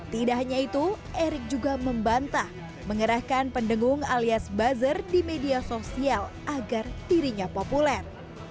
tidak hanya itu erick juga membantah mengerahkan pendengung alias buzzer di media sosial agar dirinya populer